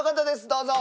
どうぞ！